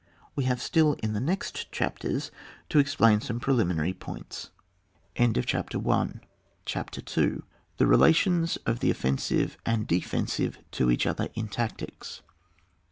We have still in the next chapters to explain some preliminary points. 70 ON WAR. LbOOK VI. CHAPTER II, THE RELATIONS OF THE OFFENSIVE AND DEFENSIVE TO EACH OTHER IN TACTICS.